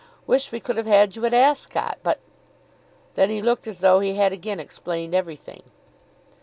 Wish we could have had you at Ascot. But ." Then he looked as though he had again explained everything.